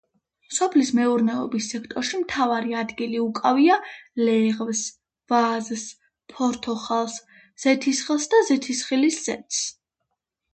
სოფლის მეურნეობის სექტორში მთავარი ადგილი უკავია: ლეღვს, ვაზს, ფორთოხალს, ზეთისხილს და ზეთისხილის ზეთს.